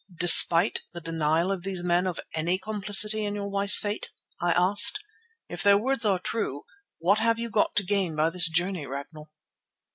"Despite the denial of these men of any complicity in your wife's fate?" I asked. "If their words are true, what have you to gain by this journey, Ragnall?"